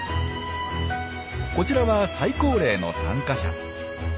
こちらは最高齢の参加者